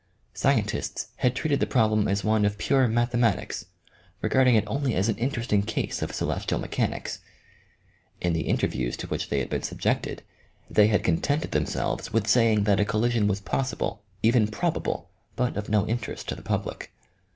Scientists had treated the problem as one of pure mathematics, regarding it only as an interesting case of celestial mechanics. In the interviews to which they had been subjected they had contented themselves with saying that a collision was possible, even probable, but of no interest to the public.